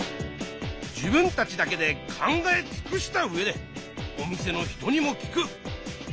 自分たちだけで考えつくした上でお店の人にも聞く。